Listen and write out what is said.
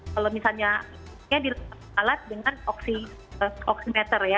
kalau misalnya alat dengan oximeter ya